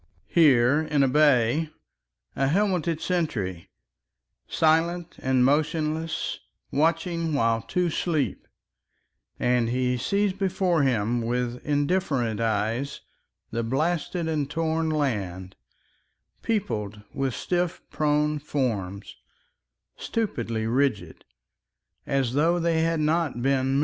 Here in a bay, a helmeted sentry Silent and motionless, watching while two sleep, And he sees before him With indifferent eyes the blasted and torn land Peopled with stiff prone forms, stupidly rigid, As tho' they had not been men.